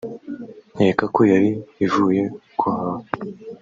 nkeka ko yari ivuye guhaha